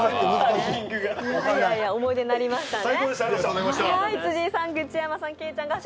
思い出になりましたね。